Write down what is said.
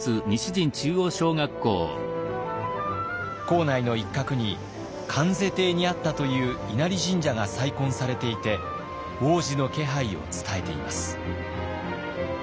校内の一角に観世邸にあったという稲荷神社が再建されていて往時の気配を伝えています。